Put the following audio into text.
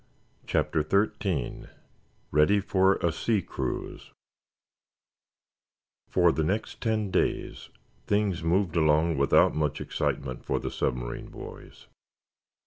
CHAPTER XIII: READY FOR THE SEA CRUISE For the next ten days things moved along without much excitement for the submarine boys.